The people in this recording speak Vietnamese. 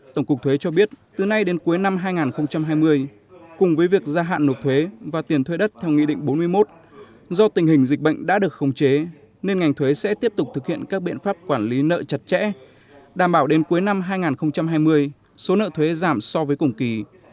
tổng cục thuế cho biết từ nay đến cuối năm hai nghìn hai mươi cùng với việc gia hạn nộp thuế và tiền thuê đất theo nghị định bốn mươi một do tình hình dịch bệnh đã được khống chế nên ngành thuế sẽ tiếp tục thực hiện các biện pháp quản lý nợ chặt chẽ đảm bảo đến cuối năm hai nghìn hai mươi số nợ thuế giảm so với cùng kỳ